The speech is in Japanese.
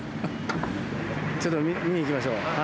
ちょっと見に行きましょう。